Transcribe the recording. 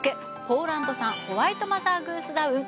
ポーランド産ホワイトマザーグースダウン